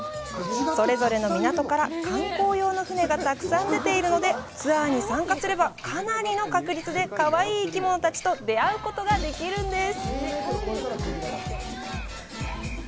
それぞれの港から観光用の船がたくさん出ているので、ツアーに参加すればかなり確率でかわいい生き物たちと出会うことができるんです。